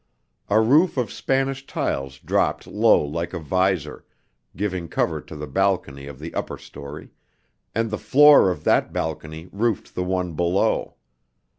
A roof of Spanish tiles dropped low like a visor, giving cover to the balcony of the upper story; and the floor of that balcony roofed the one below.